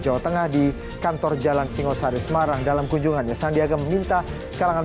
jawa tengah di kantor jalan singosari semarang dalam kunjungannya sandiaga meminta kalangan